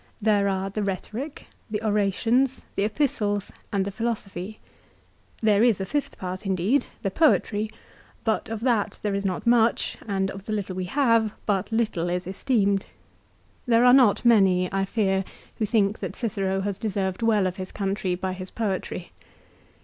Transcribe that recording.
There are the Rhetoric, the Orations, the Epistles, and the Philosophy. There is a fifth part indeed, the Poetry ; but of that there is not much, and of the little we have but little is esteemed. There are not many, I fear, who think that Cicero has deserved well of his country by his poetry.